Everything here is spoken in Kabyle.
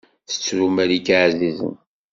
Tettru malika ɛzizen.